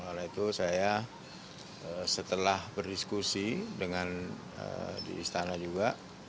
oleh itu saya setelah berdiskusi dengan di istana juga